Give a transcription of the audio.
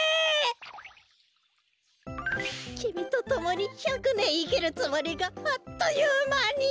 きみとともに１００ねんいきるつもりがあっというまに。